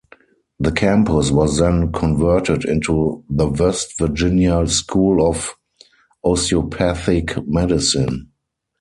The campus was then converted into the West Virginia School of Osteopathic Medicine.